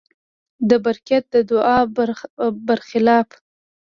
د کبریت د ادعا برخلاف.